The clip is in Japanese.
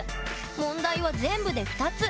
問題は全部で２つ。